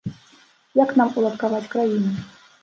Як нам уладкаваць краіну?